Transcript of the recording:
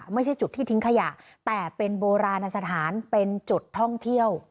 ไม่ใช่จุดที่ทิ้งขยะแต่เป็นโบราณสถานเป็นจุดท่องเที่ยว